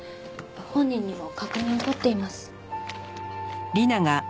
本人にも確認を取っています。